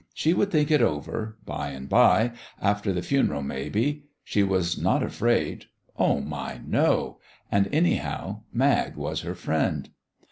She would think it over by and by after the fun'l, maybe. She was not afraid. Oh, my, no 1 And, anyhow, Mag was her friend.